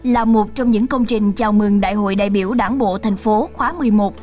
là một trong những công trình chào mừng đại hội đại biểu đảng bộ tp hcm